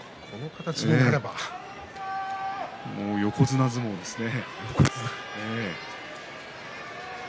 もう横綱相撲ですね。